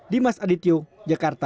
dimas adityo jakarta